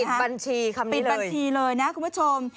ปิดบัญชีคำนี้เลยปิดบัญชีเลยนะคุณผู้ชม